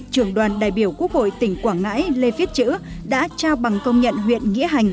trường đoàn đại biểu quốc hội tỉnh quảng ngãi lê viết chữ đã trao bằng công nhận huyện nghĩa hành